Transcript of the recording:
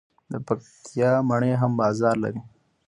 د پکتیا مڼې هم بازار لري.